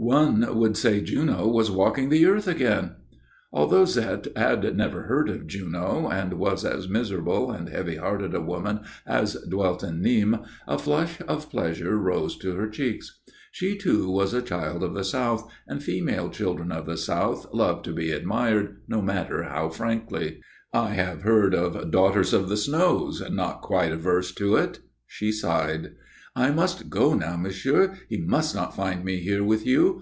"One would say Juno was walking the earth again." Although Zette had never heard of Juno, and was as miserable and heavy hearted a woman as dwelt in Nîmes, a flush of pleasure rose to her cheeks. She too was a child of the South, and female children of the South love to be admired, no matter how frankly. I have heard of Daughters of the Snows not quite averse to it. She sighed. "I must go now, monsieur. He must not find me here with you.